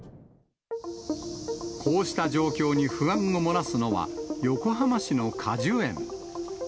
こうした状況に不安を漏らすのは、横浜市の果樹園。